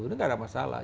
itu nggak ada masalah